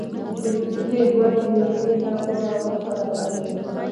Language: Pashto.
د پسته ګل د معدې لپاره وکاروئ